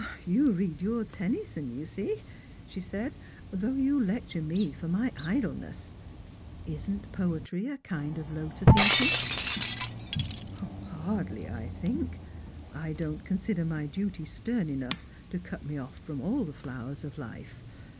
" You read your Tennyson, you see," she said, " tliough you 12 Strangers and Pilgrims. lecture me for my idleness. Isn't poetr\ a kind of lotoa. eating P" " Hardly, I think. I don't consider my duty stern enough to cut me off from all the flowers of life.